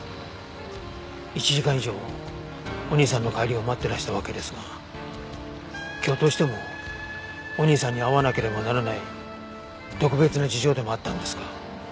１時間以上お兄さんの帰りを待ってらしたわけですが今日どうしてもお兄さんに会わなければならない特別な事情でもあったんですか？